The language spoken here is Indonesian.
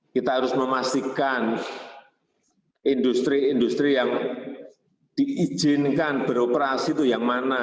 kita harus memastikan industri industri yang diizinkan beroperasi itu yang mana